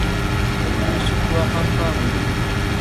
夕食はハンバーグだよ